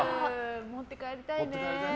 持って帰りたいね。